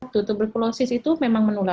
tuh tuberkulosis itu memang menurutku